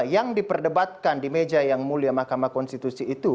yang diperdebatkan di meja yang mulia mk itu